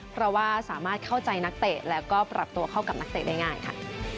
เพราะว่าสามารถเข้าใจนักเตะแล้วก็ปรับตัวเข้ากับนักเตะได้ง่ายค่ะ